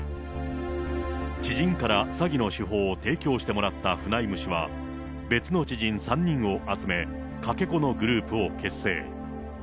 知人から詐欺の手法を提供してもらったフナイム氏は別の知人３人を集め、かけ子のグループを結成。